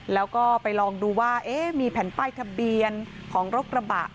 แล้วก็ไปลองดูว่ามีแผ่นป้ายทะเบียนของรถกระบะ